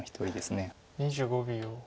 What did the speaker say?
２５秒。